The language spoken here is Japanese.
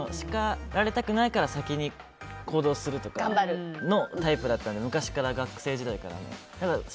叱られたくないから先に行動するとかのタイプだったので昔の学生時代から。